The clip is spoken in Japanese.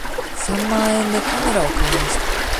三万円でカメラを買いました。